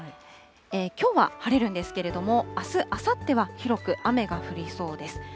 きょうは晴れるんですけれども、あす、あさっては広く雨が降りそうです。